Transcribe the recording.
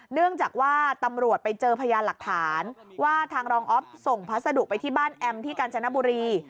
เนื่องจากว่าตำรวจไปเจอพยานหลักฐานว่าทางรองอ๊อฟส่งพัสดุไปที่บ้านแอมที่กาญจนบุรี